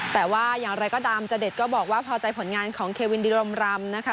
แต่ว่าอย่างไรก็ตามจเด็ดก็บอกว่าพอใจผลงานของเควินดิรมรำนะคะ